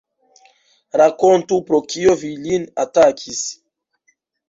Rakontu, pro kio vi lin atakis?